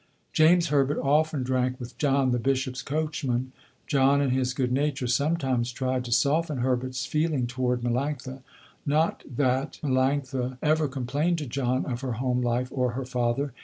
James Herbert often drank with John, the Bishops' coachman. John in his good nature sometimes tried to soften Herbert's feeling toward Melanctha. Not that Melanctha ever complained to John of her home life or her father.